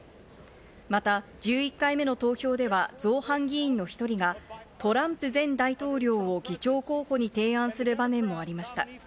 また１１回目の投票では、造反議員の１人がトランプ前大統領を議長候補に提案する場面もありました。